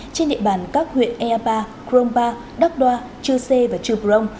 trên địa bàn các huyện ea ba krong ba đắk đoa chư sê và chư prong